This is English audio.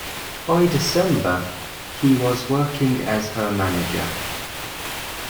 By December, he was working as her manager.